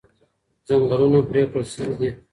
ځنګلونه پرې کړل شوي دي.